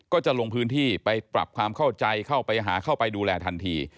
ก็จะลงพื้นที่ไปปรับความเข้าใจเข้าไปหาเข้าไปดูแลทันที